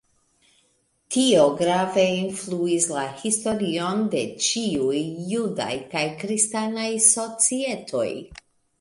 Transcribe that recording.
Tio grave influis la historion de ĉiuj judaj kaj kristanaj societoj.